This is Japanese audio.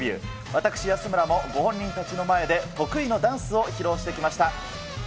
私、安村もご本人たちの前で得意のダンスを披露してきました。